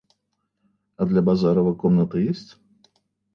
А для Базарова комната есть?